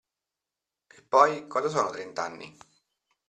Eppoi, cosa sono trent'anni?